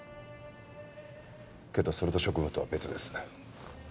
けどそれと職務とは別です。